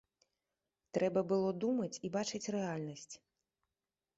Трэба было думаць і бачыць рэальнасць.